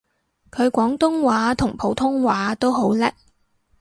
佢廣東話同普通話都好叻